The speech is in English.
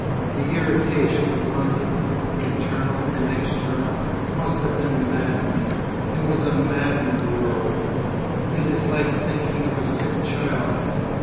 The irritation of London, internal and external, must have been maddening. It was a maddened world. It is like thinking of a sick child.